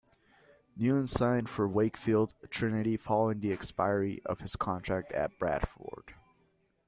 Newton signed for Wakefield Trinity following the expiry of his contract at Bradford.